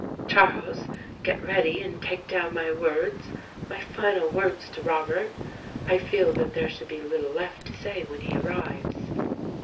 Charles, get ready and take down my words — my final words to Robert. I feel that there should be little left to say when he arrives."